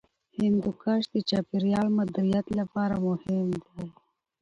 هندوکش د چاپیریال مدیریت لپاره مهم دی.